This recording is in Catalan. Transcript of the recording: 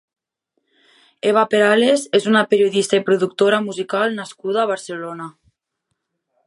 Eva Perales és una periodista i productora musical nascuda a Barcelona.